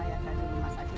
jadi ini bukan rumah sakit